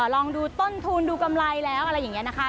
ลองดูต้นทุนดูกำไรแล้วอะไรอย่างนี้นะคะ